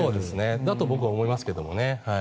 そうだと僕は思いますけどね。